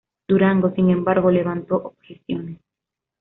Durango, sin embargo, levantó objeciones.